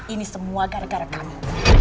ini semua gara gara kami